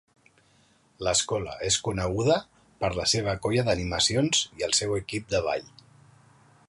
L'escola es coneguda per la seva colla d'animacions i el seu equip de ball.